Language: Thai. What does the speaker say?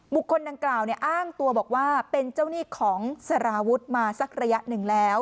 คนดังกล่าวอ้างตัวบอกว่าเป็นเจ้าหนี้ของสารวุฒิมาสักระยะหนึ่งแล้ว